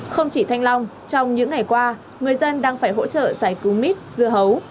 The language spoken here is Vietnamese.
không chỉ thanh long trong những ngày qua người dân đang phải hỗ trợ giải cứu mít dưa hấu